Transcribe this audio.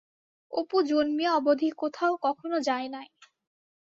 অপু জন্মিয়া অবধি কোথাও কখনও যায় নাই।